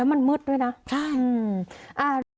แล้วมันมืดด้วยนะใช่อ่า